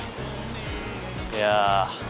いや。